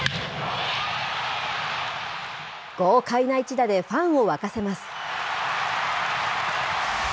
豪快な一打でファンを沸かせます。